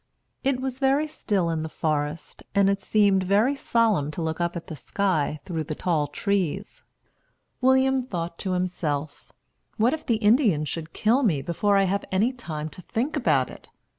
It was very still in the forest, and it seemed very solemn to look up at the sky through the tall trees. William thought to himself, "What if the Indians should kill me before I have any time to think about it?